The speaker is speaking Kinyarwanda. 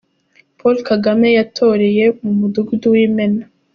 Paul Kagame yatoreye mu mudugudu w'Imena.